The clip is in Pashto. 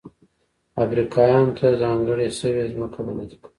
افریقایانو ته ځانګړې شوې ځمکه په ګوته کوي.